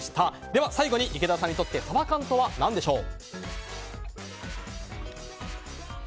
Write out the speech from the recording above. では、最後に池田さんにとってサバ缶とは何でしょう？